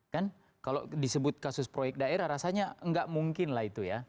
kan kalau disebut kasus proyek daerah rasanya nggak mungkin lah itu ya